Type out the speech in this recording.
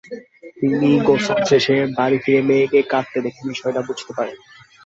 তিনি গোসল শেষে বাড়ি ফিরে মেয়েকে কাঁদতে দেখে বিষয়টি বুঝতে পারেন।